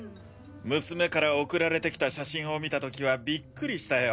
娘から送られてきた写真を見た時はびっくりしたよ。